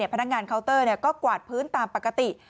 พนักงานเคาน์เตอร์ก็กวาดพื้นตามปกติ